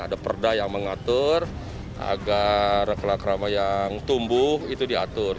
ada perda yang mengatur agar rekla kerama yang tumbuh itu diatur